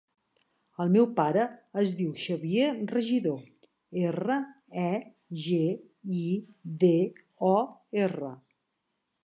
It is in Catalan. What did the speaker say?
El meu pare es diu Xavier Regidor: erra, e, ge, i, de, o, erra.